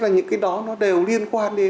và cái điều này lại một lần nữa liên quan rất là